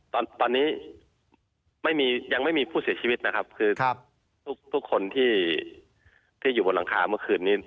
ตอนนี้ไม่มียังไม่มีผู้เสียชีวิตนะครับคือทุกคนที่อยู่บนหลังคาเมื่อคืนนี้